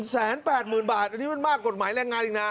แสนแปดหมื่นบาทอันนี้มันมากกฎหมายแรงงานอีกนะ